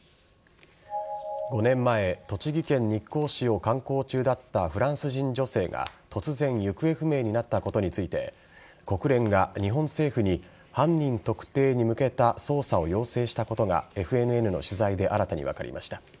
５年前栃木県日光市を観光中だったフランス人女性が突然行方不明になったことについて国連が日本政府に犯人特定に向けた捜査を要請したことがＦＮＮの取材で新たに分かりました。